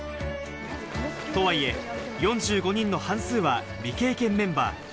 とはいえ４５人の半数は未経験メンバー。